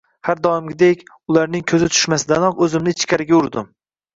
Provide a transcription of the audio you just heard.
Har doimgidek, ularning ko`zi tushmasidanoq o`zimni ichkariga urdim